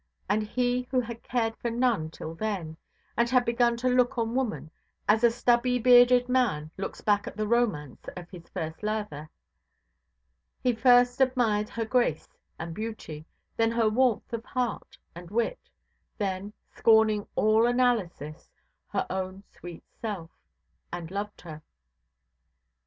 And he who had cared for none till then, and had begun to look on woman as a stubby–bearded man looks back at the romance of his first lather, he first admired her grace and beauty, then her warmth of heart and wit, then, scorning all analysis, her own sweet self; and loved her.